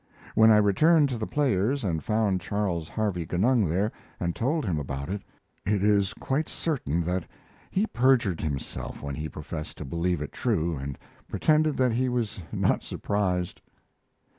When I returned to The Players and found Charles Harvey Genung there, and told him about it, it is quite certain that he perjured himself when he professed to believe it true and pretended that he was not surprised.